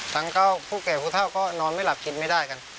ผู้แก่ผู้เท่าก็นอนไม่หลับกินไม่ได้กัน